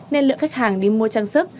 nên lượng khách hàng đi mua trang sức